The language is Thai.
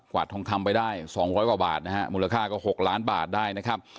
ทองคำไปได้๒๐๐กว่าบาทนะฮะมูลค่าก็๖ล้านบาทได้นะครับ